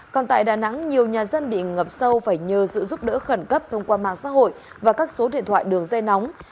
còn tại đà nẵng nhiều nhà dân bị ngập sâu phải nhờ sự giúp đỡ khẩn cấp thông qua mạng xã hội và các số điện thoại đường dây nóng